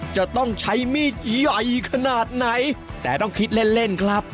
จะต้องใช้มีดใหญ่ขนาดไหนแต่ต้องคิดเล่นเล่นครับ